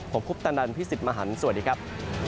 ผมคุปตะนันพี่สิทธิ์มหันฯสวัสดีครับ